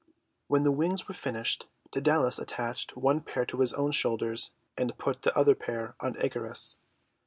When the wings were finished, Dsedalus at tached one pair to his own shoulders, and put the other pair on Icarus.